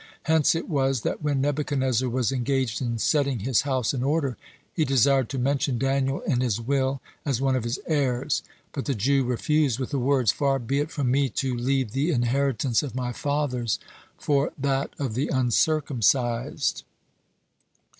Hence it was that when Nebuchadnezzar was engaged in setting his house in order, he desired to mention 'Daniel in his will as one of his heirs. But the Jew refused with the words: "Far be it from me to leave the inheritance of my fathers for that of the uncircumcised."